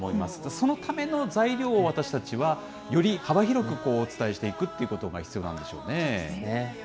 そのための材料を、私たちはより幅広くお伝えしていくということそうですね。